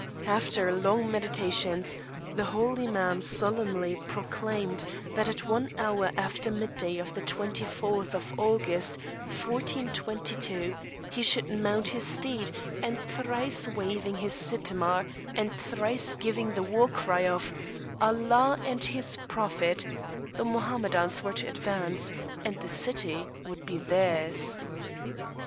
After long meditations, the holy man solemnly proclaimed that at one hour after midday of the 24th of August, 1422, he should mount his steed, and thrice waving his scimitar, and thrice giving the war cry of "Allah and his prophet," the Mohammedans were to advance, and the city would be theirs.